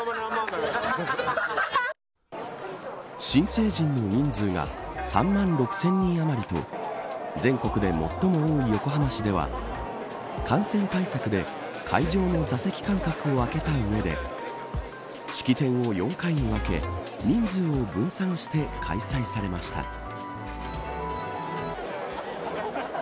新成人の人数が３万６０００人余りと全国で最も多い横浜市では感染対策で、会場の座席間隔を空けたうえで式典を４回に分け人数を分散して開催されました。